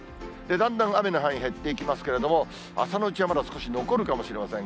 だんだん雨の範囲、減っていきますけれども、朝のうちはまだ少し残るかもしれません。